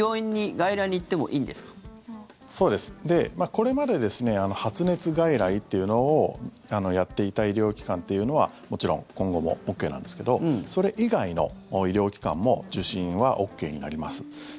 これまで発熱外来っていうのをやっていた医療機関っていうのはもちろん今後もＯＫなんですけどそれ以外の医療機関も受診はＯＫになります。